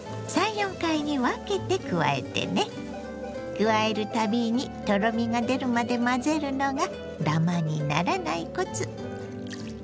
加える度にとろみが出るまで混ぜるのがダマにならないコツ。